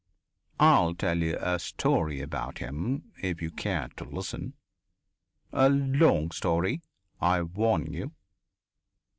I'll tell you a story about him if you care to listen. A long story, I warn you.